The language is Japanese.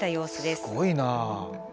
すごいなあ。